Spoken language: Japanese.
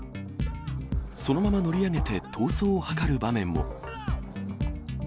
そのまま乗り上げて逃走を図る場面も。